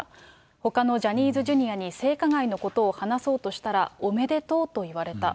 ほかのジャニーズＪｒ．に性加害のことを話そうとしたら、おめでとうと言われた。